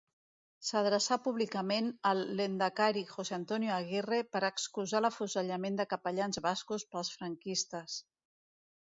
S'adreçà públicament al lehendakari José Antonio Aguirre per excusar l'afusellament de capellans bascos pels franquistes.